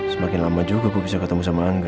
semakin lama juga gue bisa ketemu sama angga